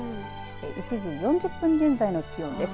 １時４０分現在の気温です。